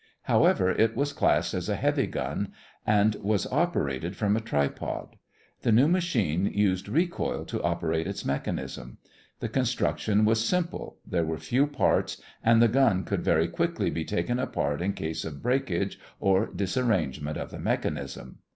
However, it was classed as a heavy gun and was operated from a tripod. The new machine used recoil to operate its mechanism. The construction was simple, there were few parts, and the gun could very quickly be taken apart in case of breakage or disarrangement of the mechanism.